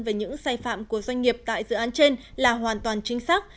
về những sai phạm của doanh nghiệp tại dự án trên là hoàn toàn chính xác